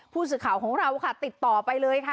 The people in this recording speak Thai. ผู้สื่อข่าวของเราค่ะติดต่อไปเลยค่ะ